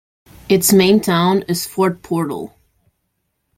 Its main town is Fort Portal.